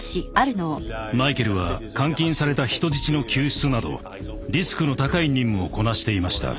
マイケルは監禁された人質の救出などリスクの高い任務をこなしていました。